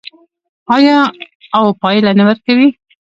آیا او پایله نه ورکوي؟